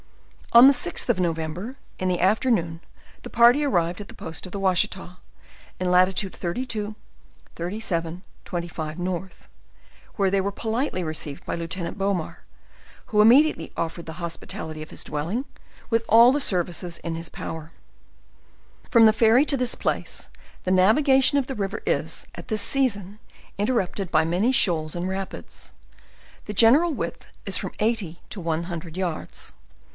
On the 6th of November, in the afternoon, the party arri ved at the post of the Washita, in latitude 32, 37, 25, N. where they were politely received by Lieut. Bovvmar, who immediately offered the hospitality of his dwelling with all the services in his power* From the ferry to this place, the navigation of the river is, at this season, interrupted by many shoals and rapids. The general width is from eighty to a hundred yards.